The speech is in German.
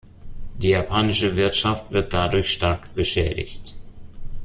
Die japanische Wirtschaft wird dadurch stark geschädigt.